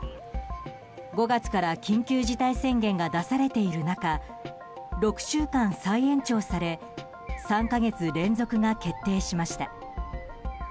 ５月から緊急事態宣言が出されている中６週間再延長され３か月連続が決定しました。